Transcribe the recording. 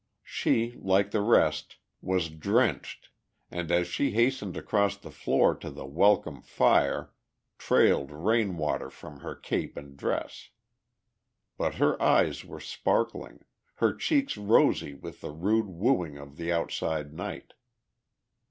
She, like the rest, was drenched and as she hastened across the floor to the welcome fire trailed rain water from her cape and dress. But her eyes were sparkling, her cheeks rosy with the rude wooing of the outside night.